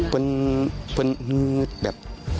เป็นเพื่อแบบ